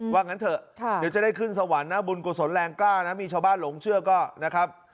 ว่างั้นเถอะเดี๋ยวจะได้ขึ้นสวรรค์นะบุญกุศลแรงกล้านะมีชาวบ้านหลงเชื่อก็นะครับ